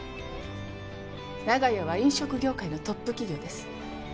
長屋は飲食業界のトップ企業です。